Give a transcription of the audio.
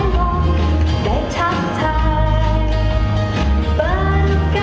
ก็แล้วแต่เลยค่ะ